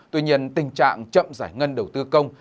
tuy nhiên tình trạng chậm giải ngân đầu tư công